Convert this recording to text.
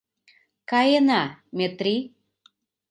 Каена, Метри.